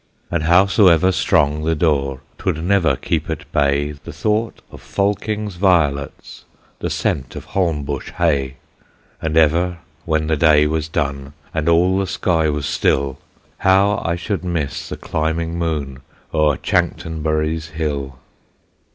And howsoever strong the door, 'Twould never keep at bay The thought of Fulking's violets, The scent of Holmbush hay. And ever when the day was done, And all the sky was still, How I should miss the climbing moon O'er Chanctonbury's hill!